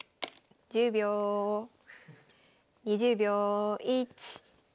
１０秒２０秒１２３４。